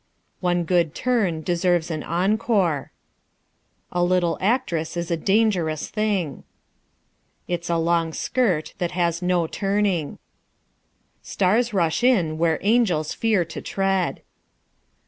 One good turn deserves an encore. A little actress is a dangerous thing. It's a long skirt that has no turning. Stars rush in where angels fear to tread.